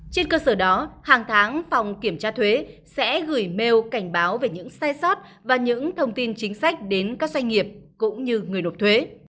trên cơ sở đó hàng tháng phòng kiểm tra thuế sẽ gửi mail cảnh báo về những sai sót và những thông tin chính sách đến các doanh nghiệp cũng như người nộp thuế